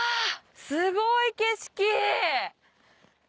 すごい景色。